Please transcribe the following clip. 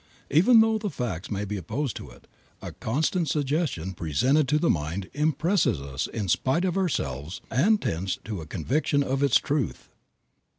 Even though the facts may be opposed to it, a constant suggestion presented to the mind impresses us in spite of ourselves and tends to a conviction of its truth.